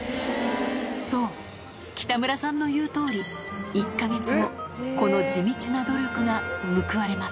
そう、北村さんの言うとおり、１か月後、この地道な努力が報われます。